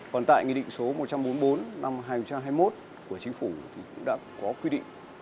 còn tại nghị định số một trăm bốn mươi bốn năm hai nghìn hai mươi một của chính phủ thì cũng đã có quy định